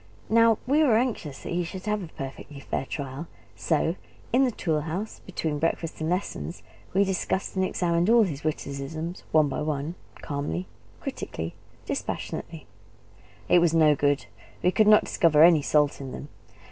Now, we were anxious that he should have a perfectly fair trial; so in the tool house, between breakfast and lessons, we discussed and examined all his witticisms, one by one, calmly, critically, dispassionately. It was no good; we could not discover any salt in them.